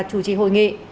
chủ trì hội nghị